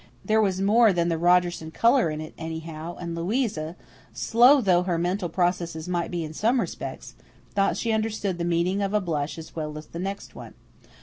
There was more than the Rogerson colour in it, anyhow, and Louisa, slow though her mental processes might be in some respects, thought she understood the meaning of a blush as well as the next one.